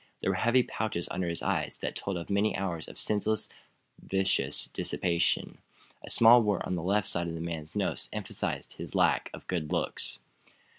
There were heavy pouches under his eyes that told of many hours of senseless, vicious dissipation. A small wart on the left side of the man's nose emphasized his lack of good looks.